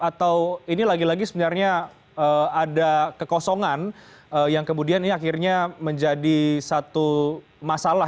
atau ini lagi lagi sebenarnya ada kekosongan yang kemudian ini akhirnya menjadi satu masalah